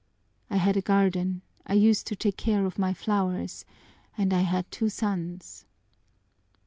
I had a garden, I used to take care of my flowers, and I had two sons!"